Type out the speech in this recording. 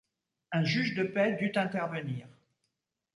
Un juge de paix dut intervenir.